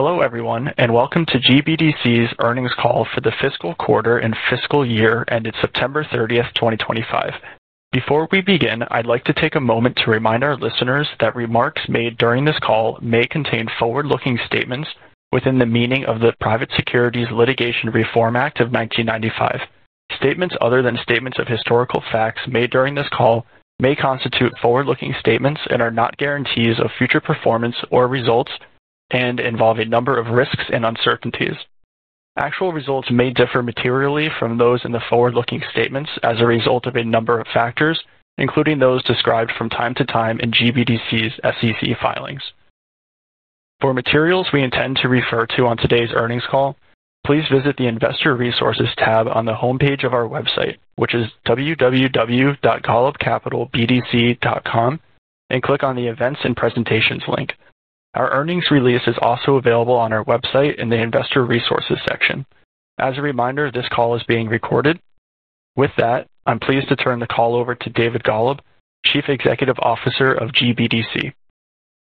Hello everyone, and welcome to GBDC's earnings call for the fiscal quarter and fiscal year, and it's September 30th, 2025. Before we begin, I'd like to take a moment to remind our listeners that remarks made during this call may contain forward-looking statements within the meaning of the Private Securities Litigation Reform Act of 1995. Statements other than statements of historical facts made during this call may constitute forward-looking statements and are not guarantees of future performance or results and involve a number of risks and uncertainties. Actual results may differ materially from those in the forward-looking statements as a result of a number of factors, including those described from time to time in GBDC's SEC filings. For materials we intend to refer to on today's earnings call, please visit the Investor Resources tab on the homepage of our website, which is www.golubcapitalbdc.com, and click on the Events and Presentations link. Our earnings release is also available on our website in the Investor Resources section. As a reminder, this call is being recorded. With that, I'm pleased to turn the call over to David Golub, Chief Executive Officer of GBDC.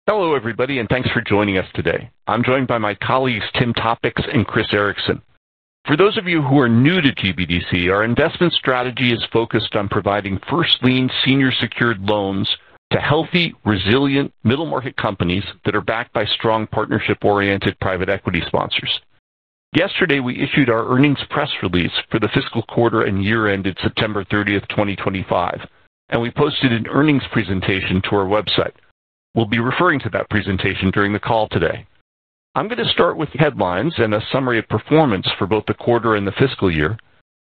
Hello everybody, and thanks for joining us today. I'm joined by my colleagues, Tim Topicz and Chris Ericson. For those of you who are new to GBDC, our investment strategy is focused on providing first-lien senior-secured loans to healthy, resilient, middle-market companies that are backed by strong, partnership-oriented private equity sponsors. Yesterday, we issued our earnings press release for the fiscal quarter and year-end at September 30th, 2025, and we posted an earnings presentation to our website. We'll be referring to that presentation during the call today. I'm going to start with headlines and a summary of performance for both the quarter and the fiscal year.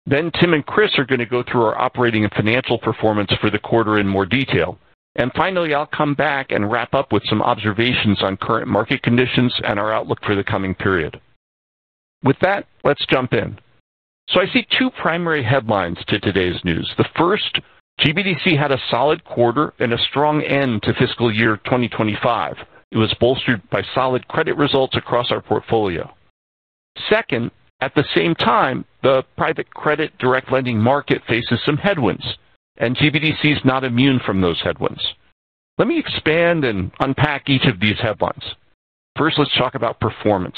Tim and Chris are going to go through our operating and financial performance for the quarter in more detail. Finally, I'll come back and wrap up with some observations on current market conditions and our outlook for the coming period. With that, let's jump in. I see two primary headlines to today's news. The first, GBDC had a solid quarter and a strong end to fiscal year 2025. It was bolstered by solid credit results across our portfolio. Second, at the same time, the private credit direct lending market faces some headwinds, and GBDC is not immune from those headwinds. Let me expand and unpack each of these headlines. First, let's talk about performance.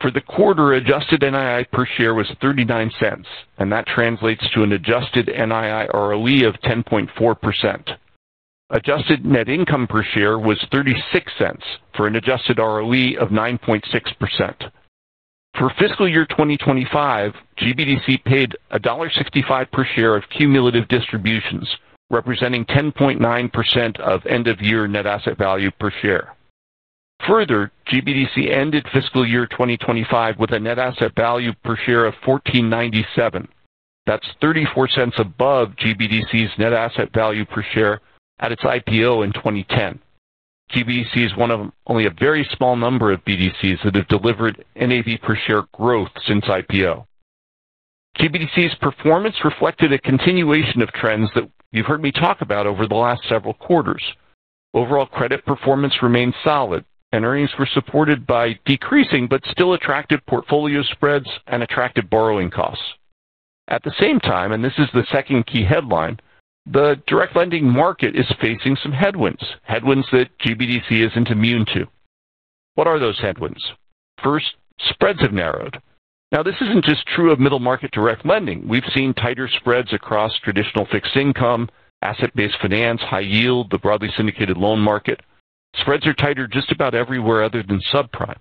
For the quarter, adjusted NII per share was $0.39, and that translates to an adjusted NII ROE of 10.4%. Adjusted net income per share was $0.36 for an adjusted ROE of 9.6%. For fiscal year 2025, GBDC paid $1.65 per share of cumulative distributions, representing 10.9% of end-of-year net asset value per share. Further, GBDC ended fiscal year 2025 with a net asset value per share of $14.97. That's $0.34 above GBDC's net asset value per share at its IPO in 2010. GBDC is one of only a very small number of BDCs that have delivered NAV per share growth since IPO. GBDC's performance reflected a continuation of trends that you've heard me talk about over the last several quarters. Overall credit performance remained solid, and earnings were supported by decreasing but still attractive portfolio spreads and attractive borrowing costs. At the same time, this is the second key headline, the direct lending market is facing some headwinds, headwinds that GBDC isn't immune to. What are those headwinds? First, spreads have narrowed. Now, this isn't just true of middle market direct lending. We've seen tighter spreads across traditional fixed income, asset-based finance, high yield, the broadly syndicated loan market. Spreads are tighter just about everywhere other than subprime.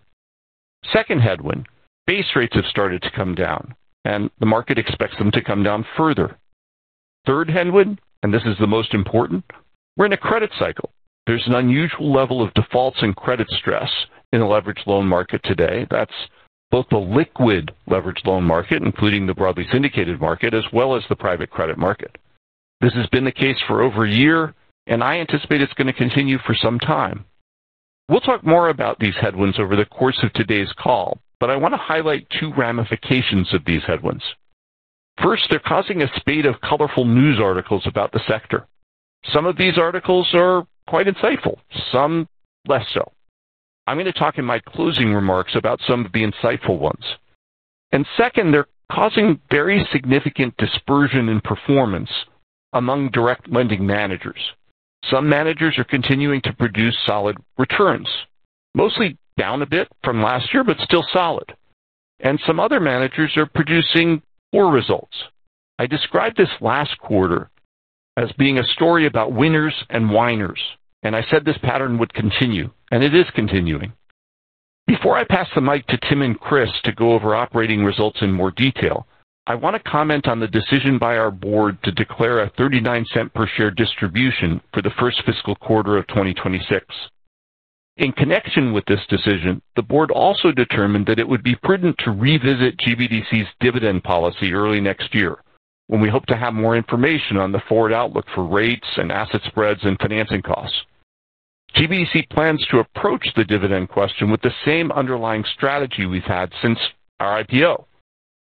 Second headwind, base rates have started to come down, and the market expects them to come down further. Third headwind, and this is the most important, we're in a credit cycle. There's an unusual level of defaults and credit stress in the leveraged loan market today. That's both the liquid leveraged loan market, including the broadly syndicated market, as well as the private credit market. This has been the case for over a year, and I anticipate it's going to continue for some time. We'll talk more about these headwinds over the course of today's call, but I want to highlight two ramifications of these headwinds. First, they're causing a spate of colorful news articles about the sector. Some of these articles are quite insightful, some less so. I'm going to talk in my closing remarks about some of the insightful ones. Second, they are causing very significant dispersion in performance among direct lending managers. Some managers are continuing to produce solid returns, mostly down a bit from last year, but still solid. Some other managers are producing poor results. I described this last quarter as being a story about winners and whiners, and I said this pattern would continue, and it is continuing. Before I pass the mic to Tim and Chris to go over operating results in more detail, I want to comment on the decision by our board to declare a $0.39 per share distribution for the first fiscal quarter of 2026. In connection with this decision, the board also determined that it would be prudent to revisit GBDC's dividend policy early next year when we hope to have more information on the forward outlook for rates and asset spreads and financing costs. GBDC plans to approach the dividend question with the same underlying strategy we've had since our IPO.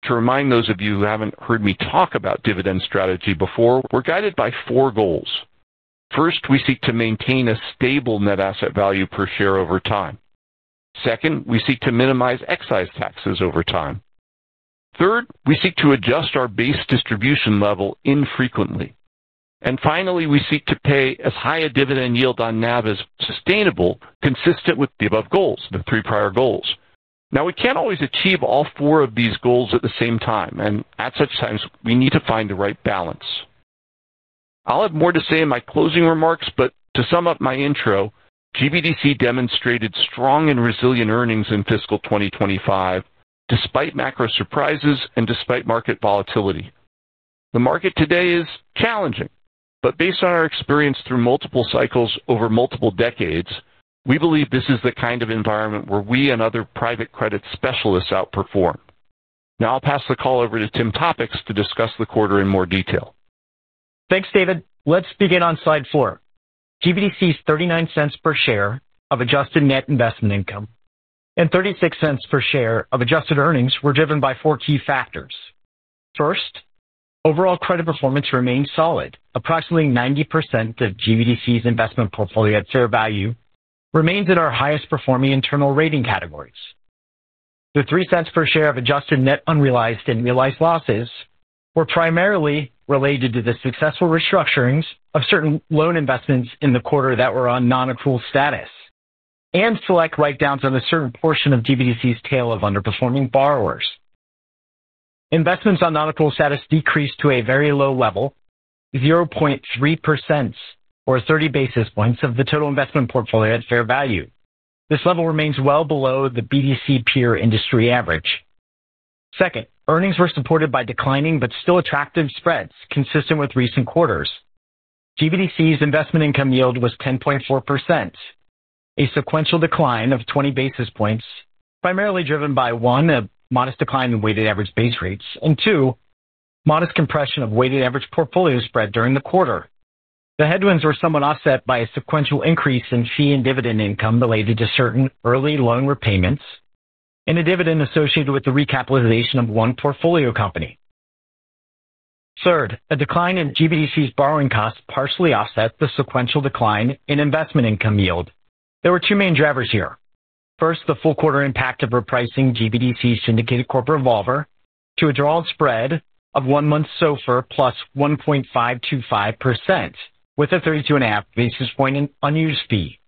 To remind those of you who haven't heard me talk about dividend strategy before, we're guided by four goals. First, we seek to maintain a stable net asset value per share over time. Second, we seek to minimize excise taxes over time. Third, we seek to adjust our base distribution level infrequently. Finally, we seek to pay as high a dividend yield on NAV as sustainable, consistent with the above goals, the three prior goals. Now, we can't always achieve all four of these goals at the same time, and at such times, we need to find the right balance. I'll have more to say in my closing remarks, but to sum up my intro, GBDC demonstrated strong and resilient earnings in fiscal 2025, despite macro surprises and despite market volatility. The market today is challenging, but based on our experience through multiple cycles over multiple decades, we believe this is the kind of environment where we and other private credit specialists outperform. Now, I'll pass the call over to Tim Topicz to discuss the quarter in more detail. Thanks, David. Let's begin on slide four. GBDC's $0.39 per share of adjusted net investment income and $0.36 per share of adjusted earnings were driven by four key factors. First, overall credit performance remained solid. Approximately 90% of GBDC's investment portfolio at fair value remains in our highest-performing internal rating categories. The $0.03 per share of adjusted net unrealized and realized losses were primarily related to the successful restructurings of certain loan investments in the quarter that were on non-accrual status and select write-downs on a certain portion of GBDC's tail of underperforming borrowers. Investments on non-accrual status decreased to a very low level, 0.3% or 30 basis points of the total investment portfolio at fair value. This level remains well below the BDC peer industry average. Second, earnings were supported by declining but still attractive spreads consistent with recent quarters. GBDC's investment income yield was 10.4%, a sequential decline of 20 basis points, primarily driven by, one, a modest decline in weighted average base rates, and two, modest compression of weighted average portfolio spread during the quarter. The headwinds were somewhat offset by a sequential increase in fee and dividend income related to certain early loan repayments and a dividend associated with the recapitalization of one portfolio company. Third, a decline in GBDC's borrowing costs partially offsets the sequential decline in investment income yield. There were two main drivers here. First, the full quarter impact of repricing GBDC's syndicated corporate revolver to a drawn spread of one-month SOFR plus 1.525% with a 32.5 basis point unused fee.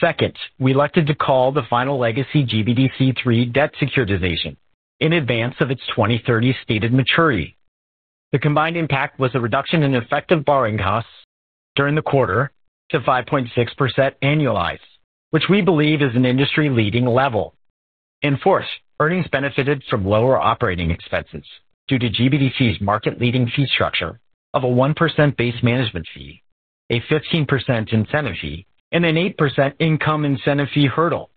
Second, we elected to call the final legacy GBDC-3 debt securitization in advance of its 2030 stated maturity. The combined impact was a reduction in effective borrowing costs during the quarter to 5.6% annualized, which we believe is an industry-leading level. Fourth, earnings benefited from lower operating expenses due to GBDC's market-leading fee structure of a 1% base management fee, a 15% incentive fee, and an 8% income incentive fee hurdle,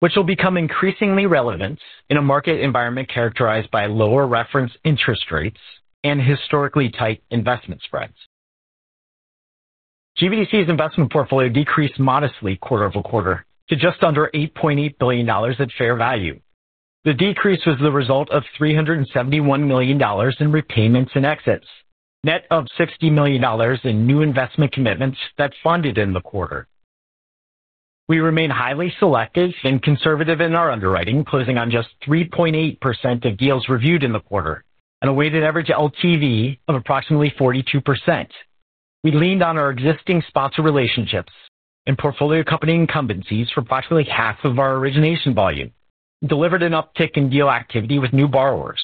which will become increasingly relevant in a market environment characterized by lower reference interest rates and historically tight investment spreads. GBDC's investment portfolio decreased modestly quarter over quarter to just under $8.8 billion at fair value. The decrease was the result of $371 million in repayments and exits, net of $60 million in new investment commitments that funded in the quarter. We remain highly selective and conservative in our underwriting, closing on just 3.8% of deals reviewed in the quarter and a weighted average LTV of approximately 42%. We leaned on our existing sponsor relationships and portfolio company incumbencies for approximately half of our origination volume and delivered an uptick in deal activity with new borrowers.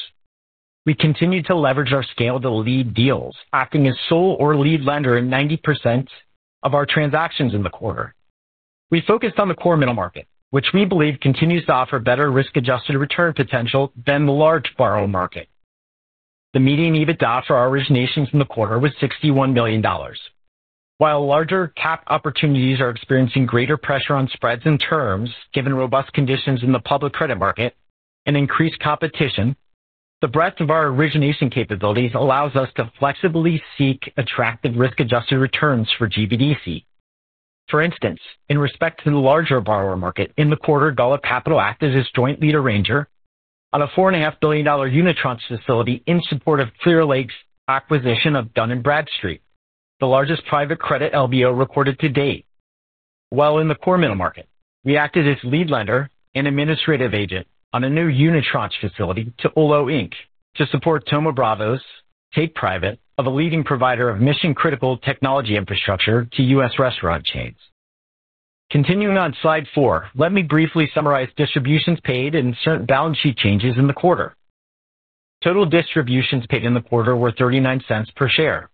We continued to leverage our scale to lead deals, acting as sole or lead lender in 90% of our transactions in the quarter. We focused on the core middle market, which we believe continues to offer better risk-adjusted return potential than the large borrower market. The median EBITDA for our originations in the quarter was $61 million. While larger cap opportunities are experiencing greater pressure on spreads and terms given robust conditions in the public credit market and increased competition, the breadth of our origination capabilities allows us to flexibly seek attractive risk-adjusted returns for GBDC. For instance, in respect to the larger borrower market, in the quarter, Golub Capital acted as joint lead arranger on a $4.5 billion unitranche facility in support of Clearlake's acquisition of Dun & Bradstreet, the largest private credit LBO recorded to date. While in the core middle market, we acted as lead lender and administrative agent on a new unitranche facility to Olo Inc. to support Thoma Bravo's Take-Private, a leading provider of mission-critical technology infrastructure to U.S. restaurant chains. Continuing on slide four, let me briefly summarize distributions paid and certain balance sheet changes in the quarter. Total distributions paid in the quarter were $0.39 per share.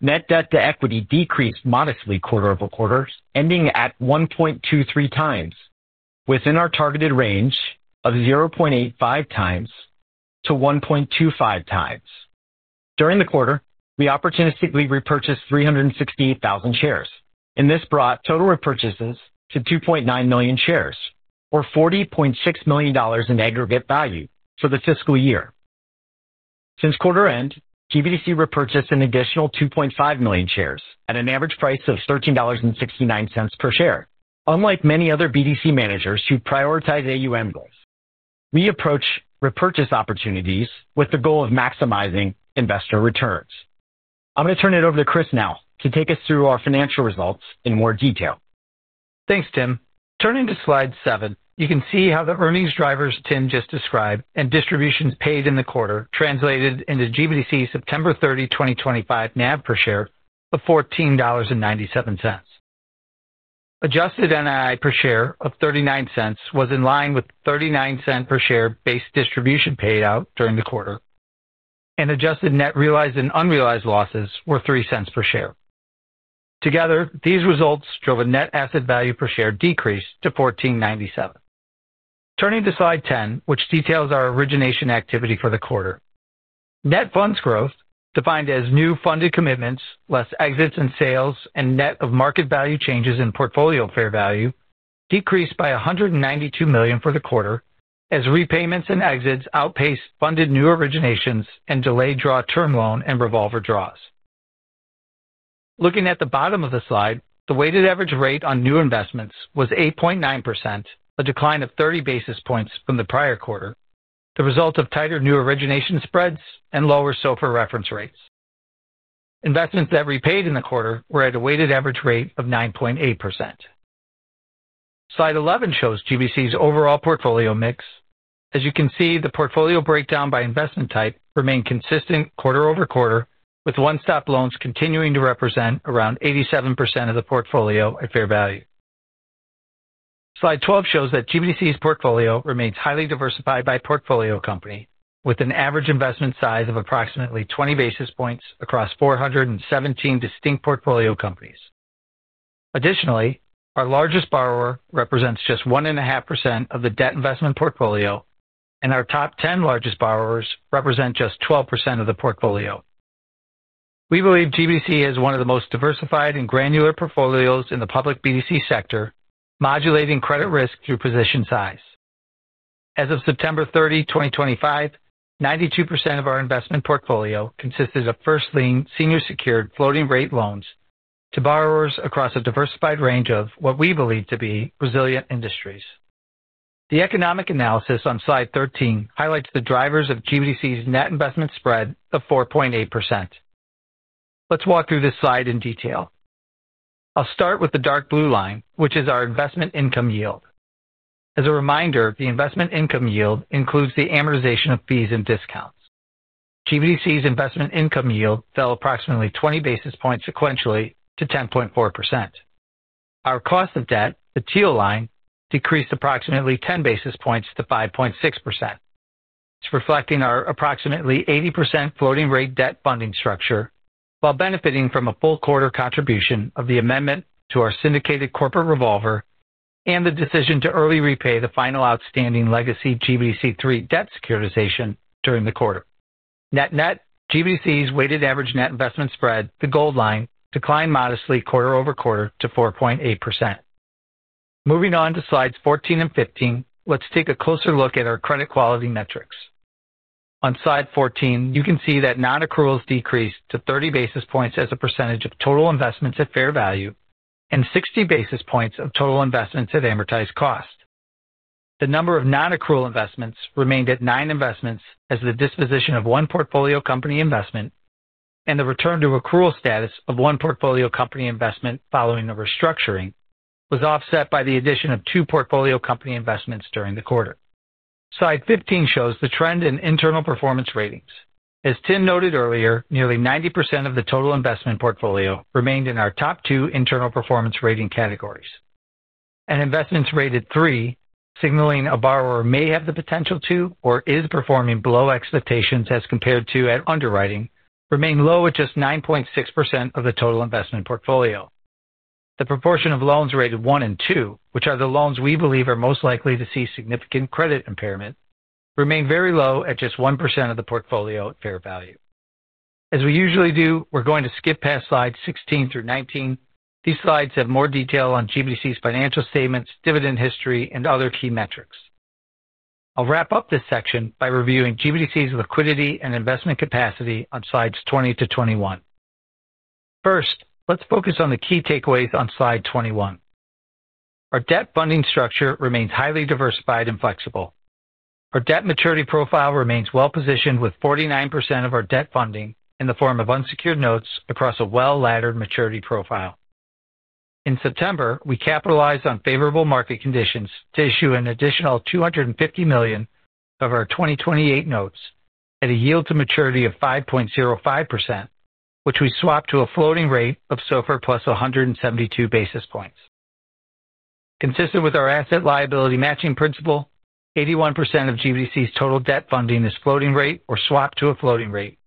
Net debt to equity decreased modestly quarter over quarter, ending at 1.23 times, within our targeted range of 0.85 times to 1.25 times. During the quarter, we opportunistically repurchased 368,000 shares, and this brought total repurchases to 2.9 million shares or $40.6 million in aggregate value for the fiscal year. Since quarter end, GBDC repurchased an additional 2.5 million shares at an average price of $13.69 per share. Unlike many other BDC managers who prioritize AUM goals, we approach repurchase opportunities with the goal of maximizing investor returns. I'm going to turn it over to Chris now to take us through our financial results in more detail. Thanks, Tim. Turning to slide seven, you can see how the earnings drivers Tim just described and distributions paid in the quarter translated into GBDC September 30, 2025, NAV per share of $14.97. Adjusted NII per share of $0.39 was in line with $0.39 per share base distribution paid out during the quarter, and adjusted net realized and unrealized losses were $0.03 per share. Together, these results drove a net asset value per share decrease to $14.97. Turning to slide 10, which details our origination activity for the quarter. Net funds growth, defined as new funded commitments, less exits and sales, and net of market value changes in portfolio fair value, decreased by $192 million for the quarter as repayments and exits outpaced funded new originations and delayed draw term loan and revolver draws. Looking at the bottom of the slide, the weighted average rate on new investments was 8.9%, a decline of 30 basis points from the prior quarter, the result of tighter new origination spreads and lower SOFR reference rates. Investments that repaid in the quarter were at a weighted average rate of 9.8%. Slide 11 shows GBDC's overall portfolio mix. As you can see, the portfolio breakdown by investment type remained consistent quarter over quarter, with one-stop loans continuing to represent around 87% of the portfolio at fair value. Slide 12 shows that GBDC's portfolio remains highly diversified by portfolio company, with an average investment size of approximately 20 basis points across 417 distinct portfolio companies. Additionally, our largest borrower represents just 1.5% of the debt investment portfolio, and our top 10 largest borrowers represent just 12% of the portfolio. We believe GBDC is one of the most diversified and granular portfolios in the public BDC sector, modulating credit risk through position size. As of September 30, 2025, 92% of our investment portfolio consisted of first-lien senior-secured floating-rate loans to borrowers across a diversified range of what we believe to be resilient industries. The economic analysis on slide 13 highlights the drivers of GBDC's net investment spread of 4.8%. Let's walk through this slide in detail. I'll start with the dark blue line, which is our investment income yield. As a reminder, the investment income yield includes the amortization of fees and discounts. GBDC's investment income yield fell approximately 20 basis points sequentially to 10.4%. Our cost of debt, the teal line, decreased approximately 10 basis points to 5.6%. It's reflecting our approximately 80% floating-rate debt funding structure while benefiting from a full quarter contribution of the amendment to our syndicated corporate revolver and the decision to early repay the final outstanding legacy GBDC-3 debt securitization during the quarter. Net net, GBDC's weighted average net investment spread, the gold line, declined modestly quarter over quarter to 4.8%. Moving on to slides 14 and 15, let's take a closer look at our credit quality metrics. On slide 14, you can see that non-accruals decreased to 30 basis points as a percentage of total investments at fair value and 60 basis points of total investments at amortized cost. The number of non-accrual investments remained at nine investments as the disposition of one portfolio company investment, and the return to accrual status of one portfolio company investment following the restructuring was offset by the addition of two portfolio company investments during the quarter. Slide 15 shows the trend in internal performance ratings. As Tim noted earlier, nearly 90% of the total investment portfolio remained in our top two internal performance rating categories. Investments rated three, signaling a borrower may have the potential to or is performing below expectations as compared to at underwriting, remained low at just 9.6% of the total investment portfolio. The proportion of loans rated one and two, which are the loans we believe are most likely to see significant credit impairment, remained very low at just 1% of the portfolio at fair value. As we usually do, we're going to skip past slides 16 through 19. These slides have more detail on GBDC's financial statements, dividend history, and other key metrics. I'll wrap up this section by reviewing GBDC's liquidity and investment capacity on slides 20 to 21. First, let's focus on the key takeaways on slide 21. Our debt funding structure remains highly diversified and flexible. Our debt maturity profile remains well-positioned with 49% of our debt funding in the form of unsecured notes across a well-laddered maturity profile. In September, we capitalized on favorable market conditions to issue an additional $250 million of our 2028 notes at a yield to maturity of 5.05%, which we swapped to a floating rate of SOFR plus 172 basis points. Consistent with our asset liability matching principle, 81% of GBDC's total debt funding is floating rate or swapped to a floating rate,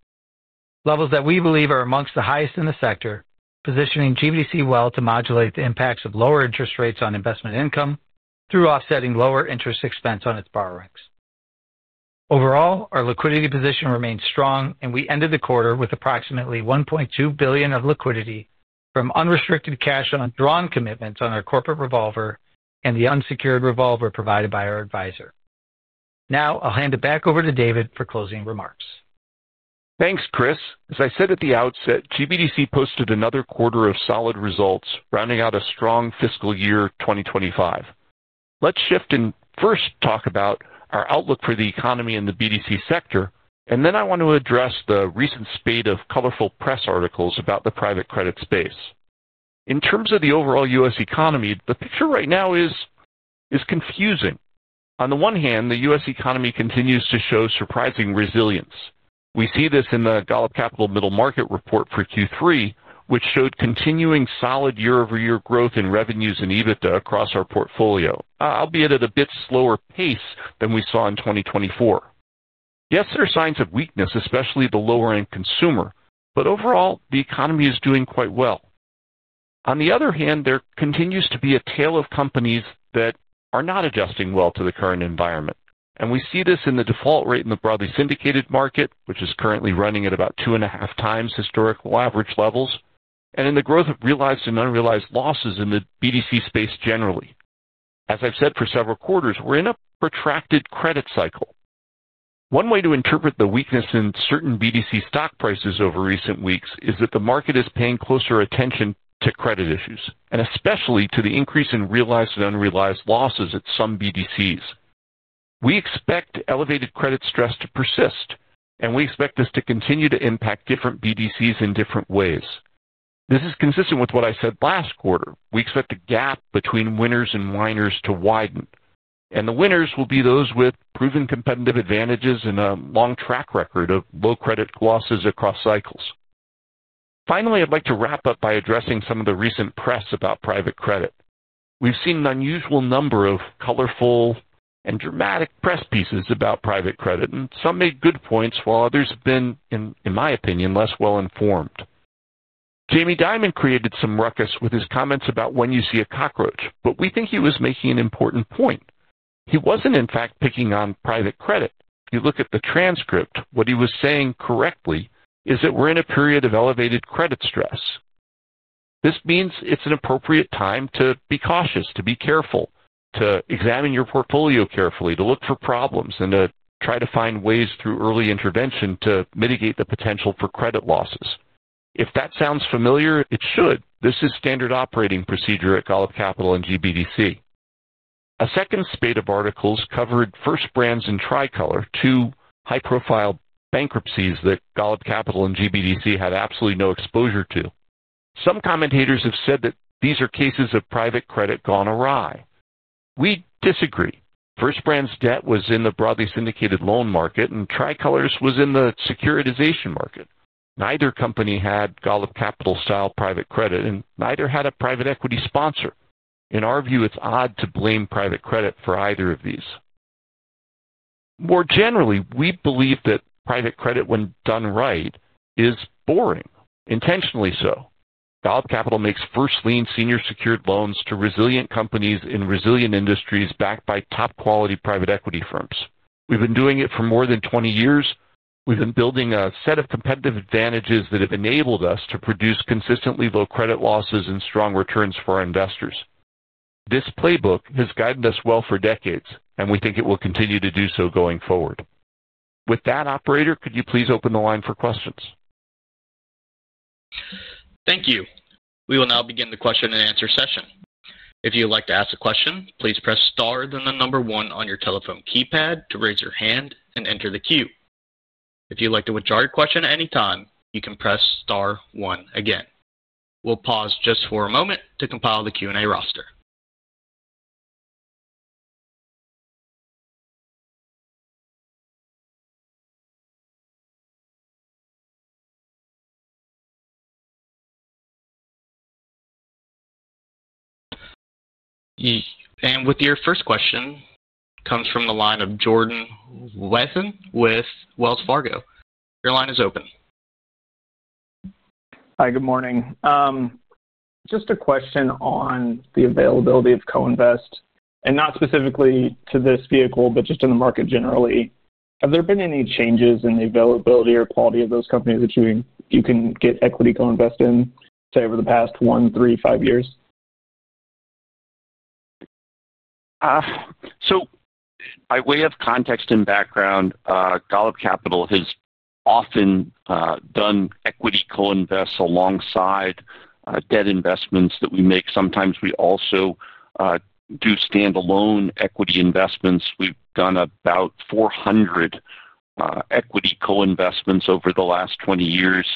levels that we believe are amongst the highest in the sector, positioning GBDC well to modulate the impacts of lower interest rates on investment income through offsetting lower interest expense on its borrowings. Overall, our liquidity position remains strong, and we ended the quarter with approximately $1.2 billion of liquidity from unrestricted cash on drawn commitments on our corporate revolver and the unsecured revolver provided by our advisor. Now, I'll hand it back over to David for closing remarks. Thanks, Chris. As I said at the outset, GBDC posted another quarter of solid results, rounding out a strong fiscal year 2025. Let's shift and first talk about our outlook for the economy and the BDC sector, and then I want to address the recent spate of colorful press articles about the private credit space. In terms of the overall U.S. economy, the picture right now is confusing. On the one hand, the U.S. economy continues to show surprising resilience. We see this in the Golub Capital Middle Market report for Q3, which showed continuing solid year-over-year growth in revenues and EBITDA across our portfolio, albeit at a bit slower pace than we saw in 2024. Yes, there are signs of weakness, especially the lower-end consumer, but overall, the economy is doing quite well. On the other hand, there continues to be a tale of companies that are not adjusting well to the current environment. We see this in the default rate in the broadly syndicated market, which is currently running at about two and a half times historical average levels, and in the growth of realized and unrealized losses in the BDC space generally. As I've said for several quarters, we're in a protracted credit cycle. One way to interpret the weakness in certain BDC stock prices over recent weeks is that the market is paying closer attention to credit issues, and especially to the increase in realized and unrealized losses at some BDCs. We expect elevated credit stress to persist, and we expect this to continue to impact different BDCs in different ways. This is consistent with what I said last quarter. We expect the gap between winners and whiners to widen, and the winners will be those with proven competitive advantages and a long track record of low credit losses across cycles. Finally, I'd like to wrap up by addressing some of the recent press about private credit. We've seen an unusual number of colorful and dramatic press pieces about private credit, and some made good points while others have been, in my opinion, less well-informed. Jamie Dimon created some ruckus with his comments about when you see a cockroach, but we think he was making an important point. He wasn't, in fact, picking on private credit. If you look at the transcript, what he was saying correctly is that we're in a period of elevated credit stress. This means it's an appropriate time to be cautious, to be careful, to examine your portfolio carefully, to look for problems, and to try to find ways through early intervention to mitigate the potential for credit losses. If that sounds familiar, it should. This is standard operating procedure at Golub Capital and GBDC. A second spate of articles covered First Brands and Tricolor, two high-profile bankruptcies that Golub Capital and GBDC had absolutely no exposure to. Some commentators have said that these are cases of private credit gone awry. We disagree. First Brands' debt was in the broadly syndicated loan market, and Tricolor's was in the securitization market. Neither company had Golub Capital-style private credit, and neither had a private equity sponsor. In our view, it's odd to blame private credit for either of these. More generally, we believe that private credit, when done right, is boring, intentionally so. Golub Capital makes first-lien senior-secured loans to resilient companies in resilient industries backed by top-quality private equity firms. We've been doing it for more than 20 years. We've been building a set of competitive advantages that have enabled us to produce consistently low credit losses and strong returns for our investors. This playbook has guided us well for decades, and we think it will continue to do so going forward. With that, operator, could you please open the line for questions? Thank you. We will now begin the question-and-answer session. If you'd like to ask a question, please press star then the number one on your telephone keypad to raise your hand and enter the queue. If you'd like to withdraw your question at any time, you can press star one again. We'll pause just for a moment to compile the Q&A roster. Your first question comes from the line of Jordan Wathen with Wells Fargo. Your line is open. Hi, good morning. Just a question on the availability of co-invest, and not specifically to this vehicle, but just in the market generally. Have there been any changes in the availability or quality of those companies that you can get equity co-invest in, say, over the past one, three, five years? By way of context and background, Golub Capital has often done equity co-invest alongside debt investments that we make. Sometimes we also do stand-alone equity investments. We've done about 400 equity co-investments over the last 20 years.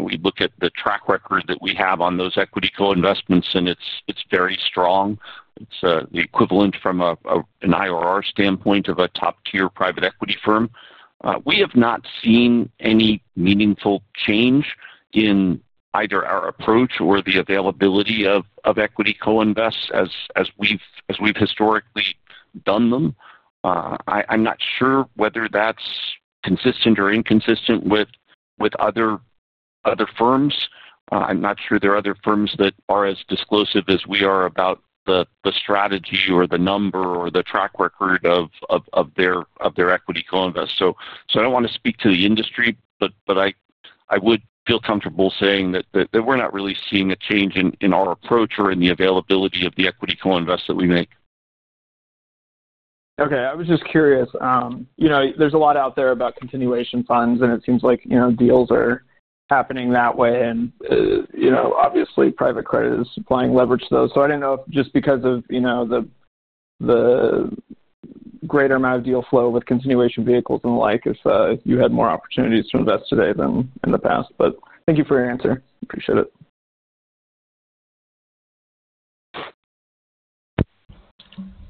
We look at the track record that we have on those equity co-investments, and it's very strong. It's the equivalent from an IRR standpoint of a top-tier private equity firm. We have not seen any meaningful change in either our approach or the availability of equity co-invest as we've historically done them. I'm not sure whether that's consistent or inconsistent with other firms. I'm not sure there are other firms that are as disclosive as we are about the strategy or the number or the track record of their equity co-invest. I don't want to speak to the industry, but I would feel comfortable saying that we're not really seeing a change in our approach or in the availability of the equity co-invest that we make. Okay. I was just curious. There is a lot out there about continuation funds, and it seems like deals are happening that way. Obviously, private credit is supplying leverage to those. I do not know if just because of the greater amount of deal flow with continuation vehicles and the like, you have more opportunities to invest today than in the past. Thank you for your answer. Appreciate it.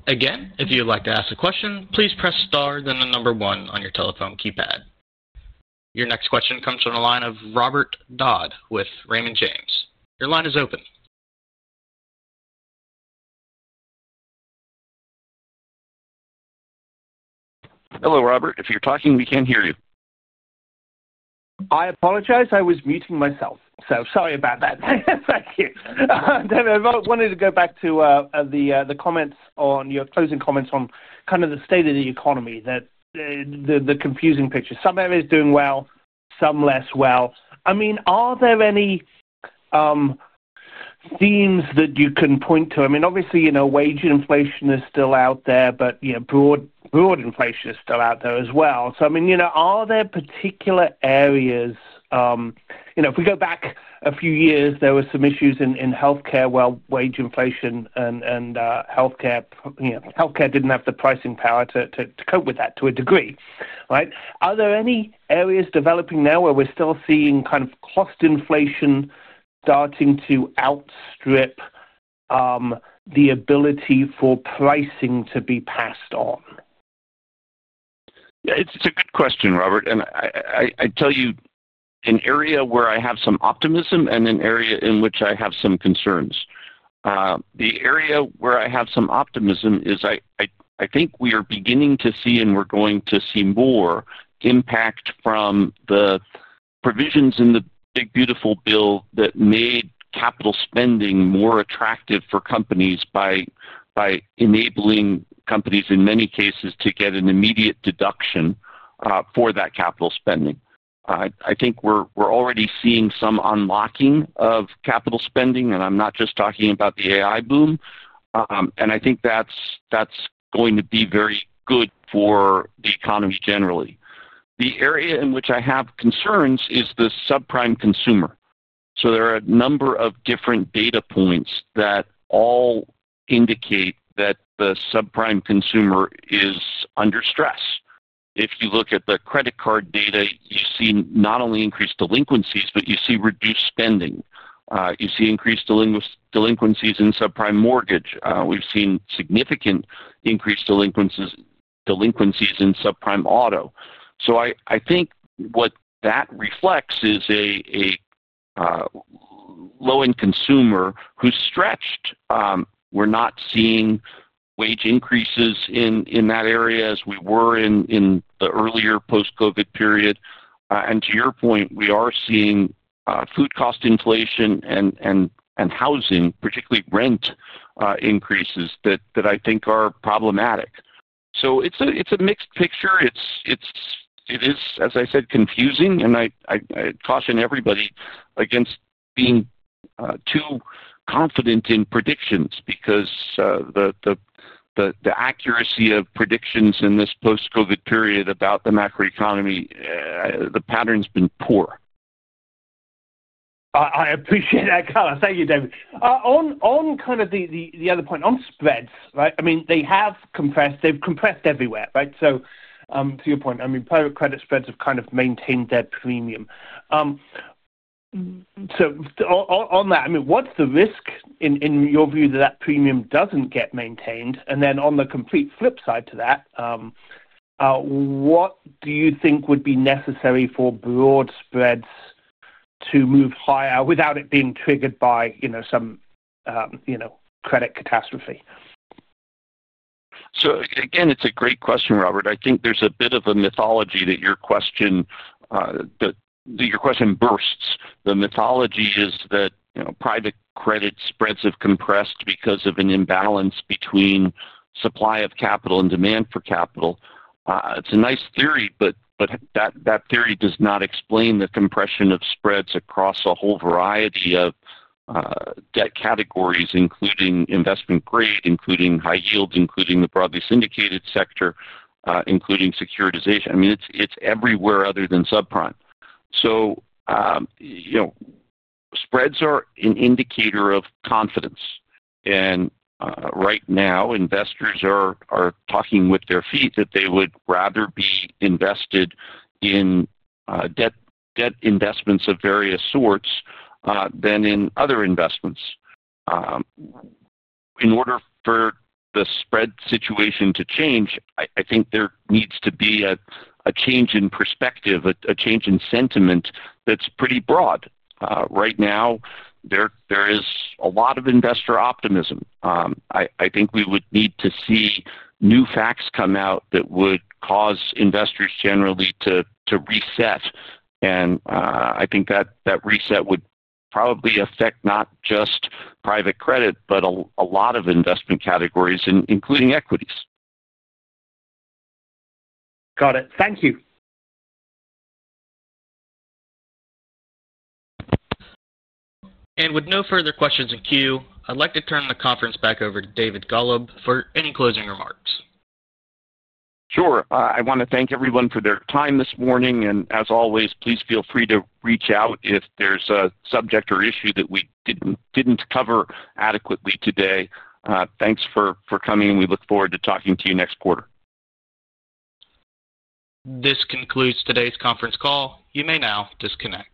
Again, if you'd like to ask a question, please press star then the number one on your telephone keypad. Your next question comes from the line of Robert Dodd with Raymond James. Your line is open. Hello, Robert. If you're talking, we can't hear you. I apologize. I was muting myself. Sorry about that. Thank you. I wanted to go back to the comments on your closing comments on kind of the state of the economy, the confusing picture. Some areas doing well, some less well. I mean, are there any themes that you can point to? I mean, obviously, wage inflation is still out there, but broad inflation is still out there as well. I mean, are there particular areas? If we go back a few years, there were some issues in healthcare where wage inflation and healthcare did not have the pricing power to cope with that to a degree, right? Are there any areas developing now where we are still seeing kind of cost inflation starting to outstrip the ability for pricing to be passed on? Yeah, it's a good question, Robert. I tell you, an area where I have some optimism and an area in which I have some concerns. The area where I have some optimism is I think we are beginning to see and we're going to see more impact from the provisions in the Big Beautiful Bill that made capital spending more attractive for companies by enabling companies, in many cases, to get an immediate deduction for that capital spending. I think we're already seeing some unlocking of capital spending, and I'm not just talking about the AI boom. I think that's going to be very good for the economy generally. The area in which I have concerns is the subprime consumer. There are a number of different data points that all indicate that the subprime consumer is under stress. If you look at the credit card data, you see not only increased delinquencies, but you see reduced spending. You see increased delinquencies in subprime mortgage. We've seen significant increased delinquencies in subprime auto. I think what that reflects is a low-end consumer who's stretched. We're not seeing wage increases in that area as we were in the earlier post-COVID period. To your point, we are seeing food cost inflation and housing, particularly rent increases that I think are problematic. It's a mixed picture. It is, as I said, confusing, and I caution everybody against being too confident in predictions because the accuracy of predictions in this post-COVID period about the macroeconomy, the pattern's been poor. I appreciate that color. Thank you, David. On kind of the other point, on spreads, right? I mean, they have compressed. They've compressed everywhere, right? To your point, I mean, private credit spreads have kind of maintained their premium. On that, I mean, what's the risk in your view that that premium doesn't get maintained? On the complete flip side to that, what do you think would be necessary for broad spreads to move higher without it being triggered by some credit catastrophe? Again, it's a great question, Robert. I think there's a bit of a mythology that your question bursts. The mythology is that private credit spreads have compressed because of an imbalance between supply of capital and demand for capital. It's a nice theory, but that theory does not explain the compression of spreads across a whole variety of debt categories, including investment grade, including high yield, including the broadly syndicated sector, including securitization. I mean, it's everywhere other than subprime. Spreads are an indicator of confidence. Right now, investors are talking with their feet that they would rather be invested in debt investments of various sorts than in other investments. In order for the spread situation to change, I think there needs to be a change in perspective, a change in sentiment that's pretty broad. Right now, there is a lot of investor optimism. I think we would need to see new facts come out that would cause investors generally to reset. I think that reset would probably affect not just private credit, but a lot of investment categories, including equities. Got it. Thank you. With no further questions in queue, I'd like to turn the conference back over to David Golub for any closing remarks. Sure. I want to thank everyone for their time this morning. As always, please feel free to reach out if there's a subject or issue that we didn't cover adequately today. Thanks for coming. We look forward to talking to you next quarter. This concludes today's conference call. You may now disconnect.